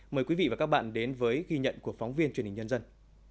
mời quý vị và các bạn đến với ghi nhận của phóng viên truyền hình nhân dân